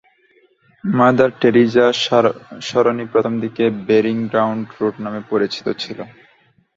Mother Teresa সরণি প্রথমদিকে burying ground road নামে পরিচিত ছিল।